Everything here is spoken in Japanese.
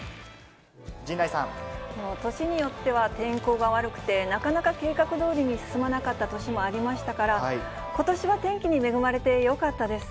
年によっては天候が悪くて、なかなか計画どおりに進まなかった年もありましたから、ことしは天気に恵まれて、よかったです。